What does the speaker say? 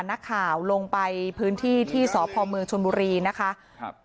นักข่าวลงไปพื้นที่ที่สพเมืองชนบุรีนะคะครับ